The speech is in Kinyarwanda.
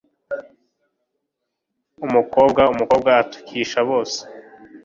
umukobwa umukobwa atukisha bose